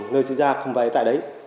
người diễn ra không phải tại đây